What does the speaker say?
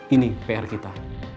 ini pr kita